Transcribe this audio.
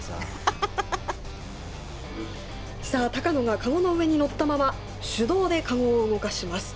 さあ高野がカゴの上に乗ったまま手動でカゴを動かします。